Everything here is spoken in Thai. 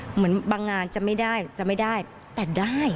เหมือนบางงานจะไม่ได้จะไม่ได้แต่ได้